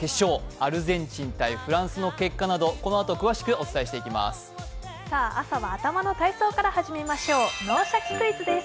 アルゼンチン×フランスの結果など、このあと詳しくお伝えします。